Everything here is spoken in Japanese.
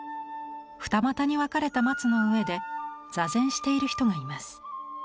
二股に分かれた松の上で坐禅している人がいます。